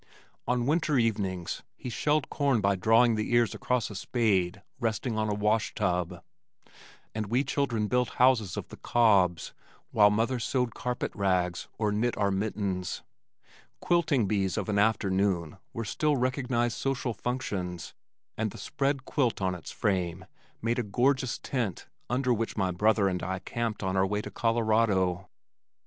On winter evenings he shelled corn by drawing the ears across a spade resting on a wash tub, and we children built houses of the cobs, while mother sewed carpet rags or knit our mittens. Quilting bees of an afternoon were still recognized social functions and the spread quilt on its frame made a gorgeous tent under which my brother and I camped on our way to "Colorado."